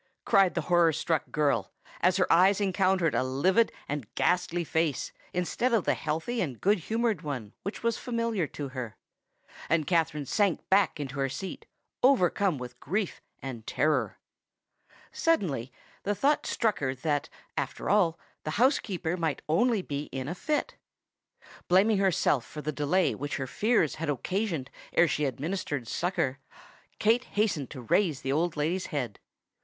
cried the horror struck girl, as her eyes encountered a livid and ghastly face instead of the healthy and good humoured one which was familiar to her. And Katherine sank back in her seat, overcome with grief and terror. Suddenly the thought struck her that, after all, the housekeeper might only be in a fit. Blaming herself for the delay which her fears had occasioned ere she administered succour, Kate hastened to raise the old lady's head.